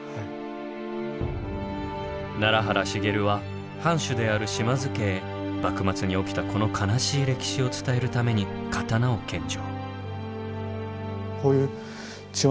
奈良原繁は藩主である島津家へ幕末に起きたこの悲しい歴史を伝えるために刀を献上。